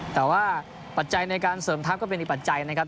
แต่ว่าปัจจัยในการเสริมทัพก็เป็นอีกปัจจัยนะครับ